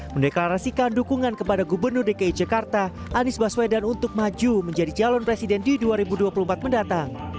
mendeklarasikan dukungan kepada gubernur dki jakarta anies baswedan untuk maju menjadi calon presiden di dua ribu dua puluh empat mendatang